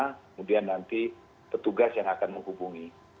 kemudian nanti petugas yang akan menghubungi